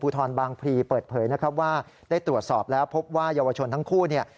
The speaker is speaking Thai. ทรบางพลีเปิดเผยนะครับว่าได้ตรวจสอบแล้วพบว่าเยาวชนทั้งคู่เนี่ย